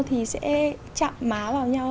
thì sẽ chạm má vào nhau